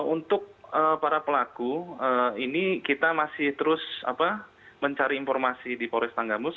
untuk para pelaku ini kita masih terus mencari informasi di polres tanggamus